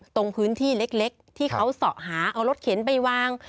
ตรงพื้นที่เล็กที่เขาเสาะหาเอารถเข็นไปวาง